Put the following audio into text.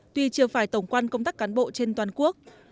tuy chưa phải tổng quan công tác cán bộ trên toàn quốc